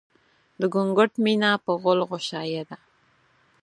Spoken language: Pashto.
د ګونګټ مينه په غول غوشايه ده